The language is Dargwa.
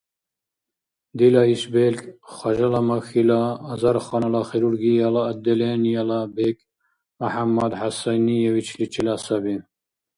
Дила иш белкӀ Хажалмахьила азарханала хирургияла отделениела бекӀ МяхӀяммад ХӀясайниевичличила саби.